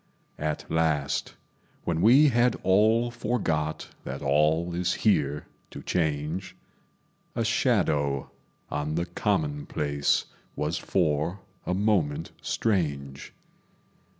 At last, when we had all forgot That all is here to change, A shadow on the commonplace Was for a moment strange.